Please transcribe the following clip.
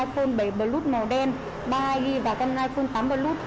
con iphone bảy plus màu đen ba mươi hai gb và con iphone tám plus